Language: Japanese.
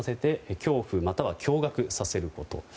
恐怖または驚愕させること。